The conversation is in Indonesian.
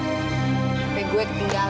sampai gue ketinggalan